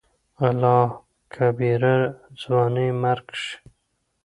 الله کبيره !ځواني مرګ شې.